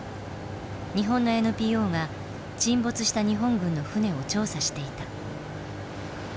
日本のＮＰＯが沈没した日本軍の船を調査していた。